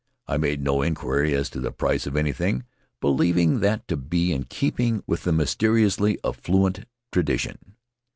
I made no inquiry as to the price of anything, believing that to be in keeping with the mysteriously affluent tradition.